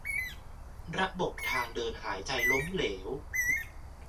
ระบบทางเดินหายใจล้มเหลว